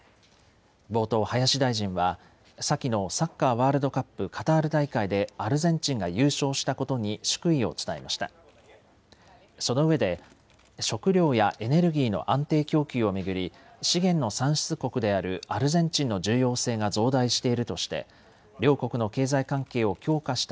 冒頭、林大臣は先のサッカーワールドカップカタール大会でアルゼンチンが優勝したことに祝意を伝えました。